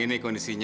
ini tuh jepang